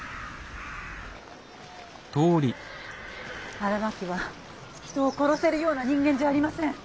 荒巻は人を殺せるような人間じゃありません。